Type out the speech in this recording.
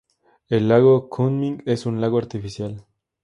El lago Kunming es un lago artificial.